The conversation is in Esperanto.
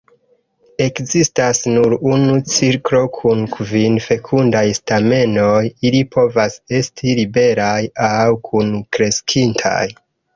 Ekzistas nur unu cirklo kun kvin fekundaj stamenoj; ili povas esti liberaj aŭ kunkreskintaj.